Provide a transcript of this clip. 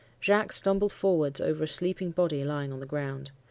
Jacques stumbled forwards over a sleeping body lying on the ground.